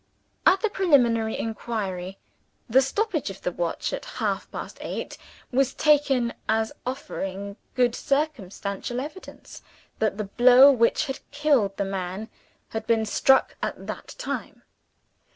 At the preliminary inquiry, the stoppage of the watch at half past eight, was taken as offering good circumstantial evidence that the blow which had killed the man had been struck at that time.